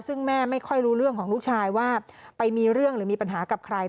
ซึ่งแม่ไม่ค่อยรู้เรื่องของลูกชายว่าไปมีเรื่องหรือมีปัญหากับใคร